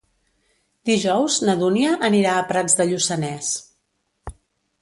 Dijous na Dúnia anirà a Prats de Lluçanès.